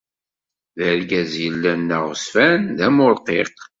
D argaz yellan d aɣezfan, d amurqiq.